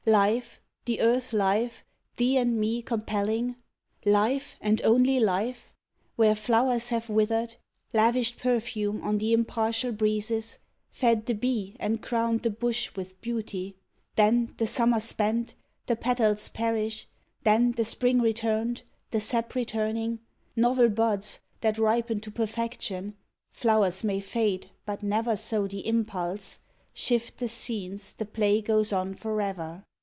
Life, the earth life, thee and me compelling, Life and only life ? Where flowers have withered, Lavished perfume on the impartial breezes, Fed the bee and crowned the bush with beauty, Then, the summer spent, the petals perish, Then, the spring returned, the sap returning, Novel buds that ripen to perfection, Flowers may fade but never so the impulse, Shift the scenes the play goes on forever